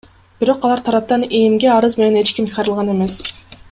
Бирок алар тараптан ИИМге арыз менен эч ким кайрылган эмес.